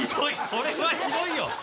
これはひどいよ！